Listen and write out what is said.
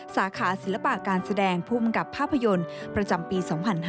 สาขาศิลปะการแสดงภูมิกับภาพยนตร์ประจำปี๒๕๕๙